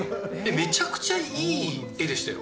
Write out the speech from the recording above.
めちゃくちゃいい絵でしたよ。